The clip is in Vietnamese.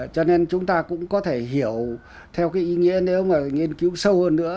cho nên chúng ta cũng có thể hiểu theo cái ý nghĩa nếu mà nghiên cứu sâu hơn nữa